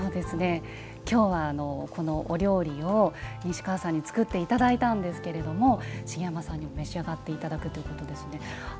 今日は、このお料理を西川さんに作っていただいたんですが茂山さんにも召し上がっていただくということですね。